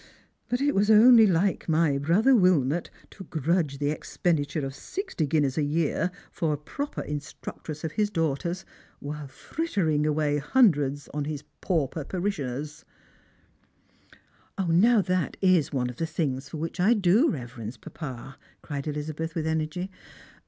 But it was only like my brother Wilniot to grudge the expenditure cf sixty guineas a year for a proper instructress of his daughters, while frittering away hundreds on his pauper (iarishioners." "Now, tha+ is one of the tbJies for which I do reverenc« Strangers and Pilgrims. 77 papa," cried Elizabeth with energy.